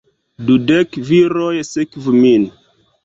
Dudek viroj sekvu min!